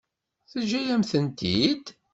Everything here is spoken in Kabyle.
Teǧǧa-yam-tent-id?